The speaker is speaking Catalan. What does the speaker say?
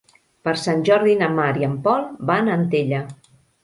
Per Sant Jordi na Mar i en Pol van a Antella.